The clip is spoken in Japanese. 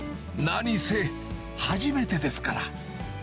なにせ初めてですから。